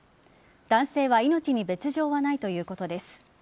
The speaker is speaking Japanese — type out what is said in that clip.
男性は命に別条はないということです。